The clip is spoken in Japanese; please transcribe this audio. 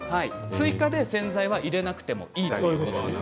追加の洗剤は入れなくてもいいということです。